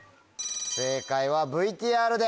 正解はＶＴＲで。